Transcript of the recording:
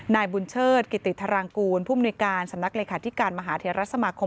นายบุญเชิดกิติทรางกูลผู้มูลยการสำนักเลยคาที่การมหาเทียดรัฐสมาคม